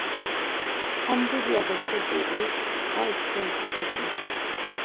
Ham dulya haşo divu, ir svas kignu.